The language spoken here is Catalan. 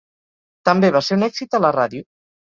També va ser un èxit a la ràdio.